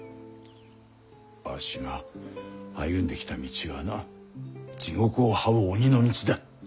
わしが歩んできた道はな地獄をはう鬼の道だ。